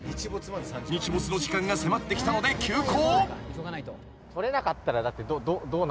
［日没の時間が迫ってきたので急行］